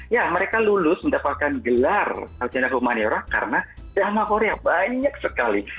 ya mereka lulus mendapatkan gelar altina humaniora karena drama korea banyak sekali